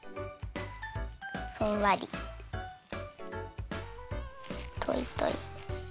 ふんわり！といとい。